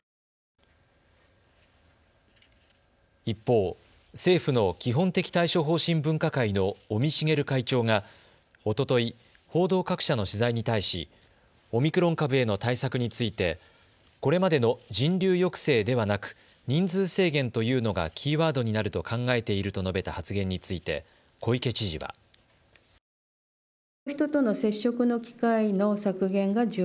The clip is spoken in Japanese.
一方、政府の基本的対処方針分科会の尾身茂会長がおととい、報道各社の取材に対し、オミクロン株への対策についてこれまでの人流抑制ではなく人数制限というのがキーワードになると考えていると述べた発言について小池知事は。東京都内の感染者数です。